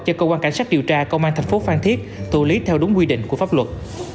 cho công an cảnh sát điều tra công an thành phố phan thiết tù lý theo đúng quy định của pháp luật